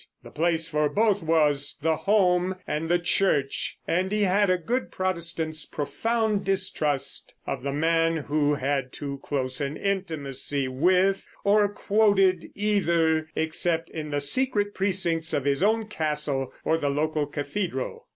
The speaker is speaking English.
The place for both was the home and the church, and he had a good Protestant's profound distrust of the man who had too close an intimacy with, or quoted, either, except in the secret precincts of his own castle or the local cathedral.